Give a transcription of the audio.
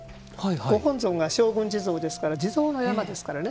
ご本尊が勝軍地蔵ですから地蔵の山ですからね。